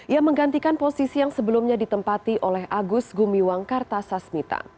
ia menggantikan posisi yang sebelumnya ditempati oleh agus gumiwang kartasasmita